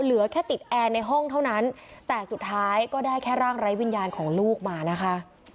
เหลือแค่ติดแอร์ในห้องเท่านั้นแต่สุดท้ายก็ได้แค่ร่างไร้วิญญาณของลูกมานะคะ